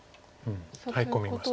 ハイ込みました。